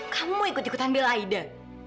kamu ikut ikutan bil aida